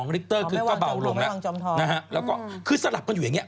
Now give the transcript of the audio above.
ลิกเตอร์คือก็เบาลงแล้วนะฮะแล้วก็คือสลับกันอยู่อย่างเง